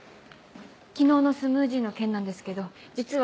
昨日のスムージーの件なんですけど実は。